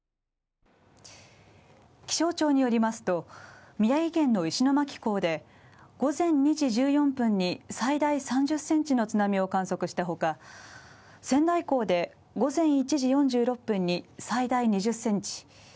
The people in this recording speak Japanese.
気象庁によりますと、宮城県の石巻港で午前２時１４分に最大３０センチの津波を観測したほか、仙台港で午前１時４６分に最大２０センチ。